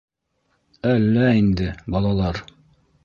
— Әллә инде, балалар.